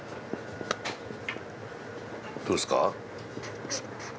どうですか？